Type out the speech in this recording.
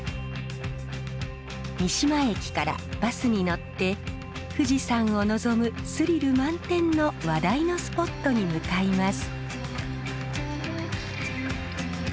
三島駅からバスに乗って富士山を望むスリル満点の話題のスポットに向かいます。